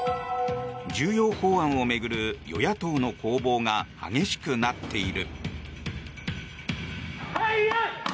重要法案を巡る与野党の攻防が激しくなっている。